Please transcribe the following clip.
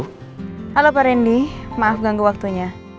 halo pak randy maaf ganggu waktunya